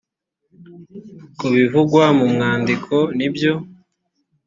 ku bivugwa mu mwandiko nibyo